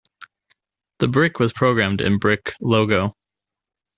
This brick was programmed in Brick Logo.